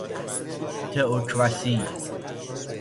تئوکراسی